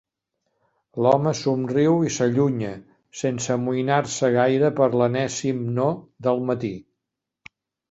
L'home somriu i s'allunya, sense amoïnar-se gaire per l'enèsim no del matí.